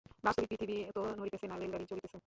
বাস্তবিক পৃথিবী তো নড়িতেছে না, রেলগাড়ীই চলিতেছে।